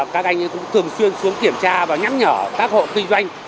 các anh cũng thường xuyên xuống kiểm tra và nhắc nhở các hộ kinh doanh